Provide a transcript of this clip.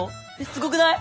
すごくない！？